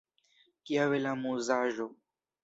Kia bela amuzaĵo!